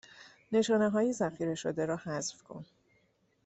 نشانی های ذخیره شده را حذف کن